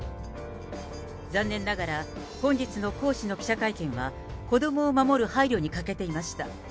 残念ながら、本日の江氏の記者会見は子どもを守る配慮に欠けていました。